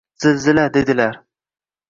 “Zilzila” dedilar –